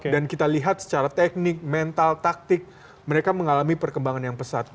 dan kita lihat secara teknik mental taktik mereka mengalami perkembangan yang pesat